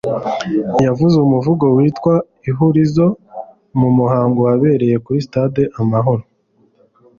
yavuze umuvugo witwa “Ihurizo” mu muhango wabereye kuri Stade Amahoro